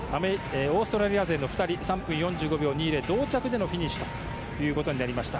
オーストラリア勢の２人３分４５秒２０と同着でのフィニッシュということになりました。